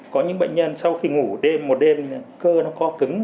có những bệnh nhân sau khi ngủ đêm một đêm cơ nó co cứng